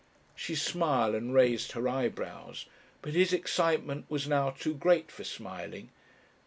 She smiled and raised her eyebrows, but his excitement was now too great for smiling.